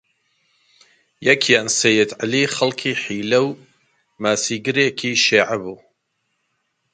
یەکیان سەیید عەلی، خەڵکی حیللە و ماسیگرێکی شیعە بوو